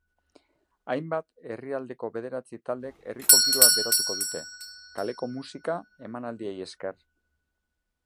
Hainbat herrialdetako bederatzi taldek herriko giroa berotuko dute, kaleko musika-emanaldiei esker.